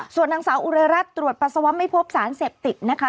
ส่วนนางสาวอุไรรัฐตรวจปัสสาวะไม่พบสารเสพติดนะคะ